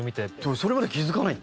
それまで気付かないって？